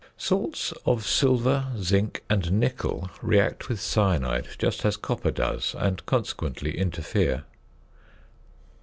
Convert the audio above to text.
Salts of silver, zinc, and nickel react with cyanide just as copper does, and consequently interfere.